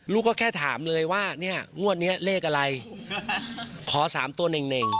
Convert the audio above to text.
ก็แค่ถามเลยว่าเนี่ยงวดนี้เลขอะไรขอ๓ตัวเน่ง